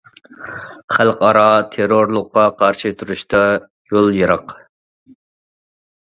خەلقئارا تېررورلۇققا قارشى تۇرۇشتا يول يىراق.